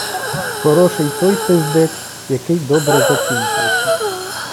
Хороший той пиздець, який добре закінчується.